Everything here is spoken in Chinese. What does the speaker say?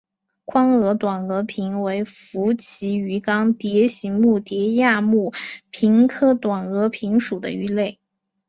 宽额短额鲆为辐鳍鱼纲鲽形目鲽亚目鲆科短额鲆属的鱼类。